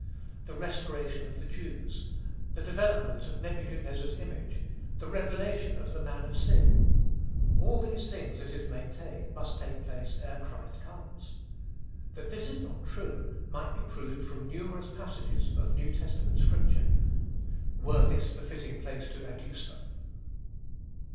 The restoration of the Jews, the development of Nebuchadnezzar's image, the revelation of the man of sin, all these things, it is maintained, must take place ere Christ comes. That this is not true, might be proved from numerous passages of New Testament scripture, were this the fitting place to adduce them.